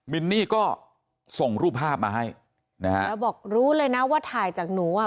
มินนี่ก็ส่งรูปภาพมาให้นะฮะแล้วบอกรู้เลยนะว่าถ่ายจากหนูอ่ะ